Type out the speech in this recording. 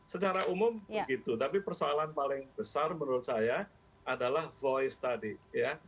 secara umum begitu tapi persoalan paling besar menurut saya adalah voice tadi ya